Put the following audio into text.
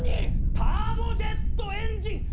ターボジェットエンジン！